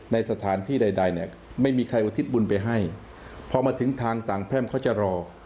ในสถานที่ใดใดเนี่ยไม่มีใครอุทิศบุญไปให้พอมาถึงทางสามแพร่มเขาจะรอ